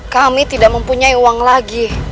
kami tidak mempunyai uang lagi